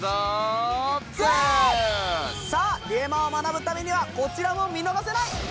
さあデュエマを学ぶためにはこちらも見逃せない！